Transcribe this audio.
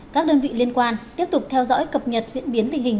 các đơn vị liên quan tiếp tục theo dõi cập nhật diễn biến tình hình